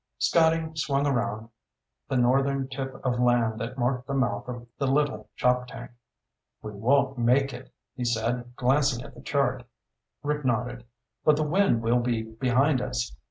Scotty swung around the northern tip of land that marked the mouth of the Little Choptank. "We won't make it," he said, glancing at the chart. Rick nodded. "But the wind will be behind us.